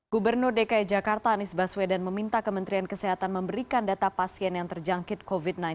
gubernur dki jakarta anies baswedan meminta kementerian kesehatan memberikan data pasien yang terjangkit covid sembilan belas